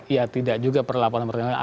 iya tidak juga perlaporan pertanggung jawaban